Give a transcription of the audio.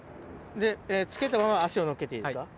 つけたまま足を乗っけていいですか？